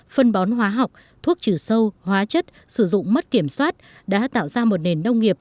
phân bón hóa học thuốc trừ sâu hóa chất sử dụng mất kiểm soát đã tạo ra một nền nông nghiệp